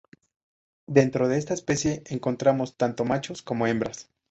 Dentro de esta especie encontramos tanto machos como hembras.